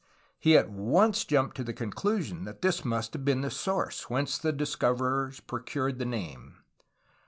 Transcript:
He at once jumped to the conclusion that this must have been the source whence the discoverers procured the name.